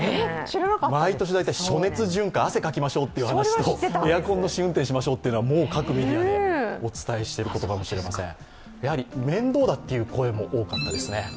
毎年大体暑熱循環、汗をかきましょうという話とエアコンの試運転をしましょうというのは各メディアでお伝えしていることかもしれません。